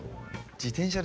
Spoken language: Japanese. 自転車で。